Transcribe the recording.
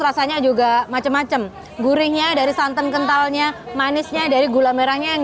rasanya juga macem macem gurihnya dari santan kentalnya manisnya dari gula merahnya yang